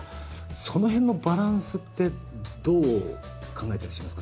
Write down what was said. その辺のバランスってどう考えてらっしゃいますか？